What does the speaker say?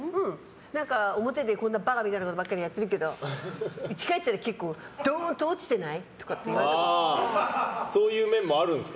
表で、こんなバカみたいなことばっかりやってるけどうち帰ったら結構ドーンと落ちてない？とかそういう面もあるんですか。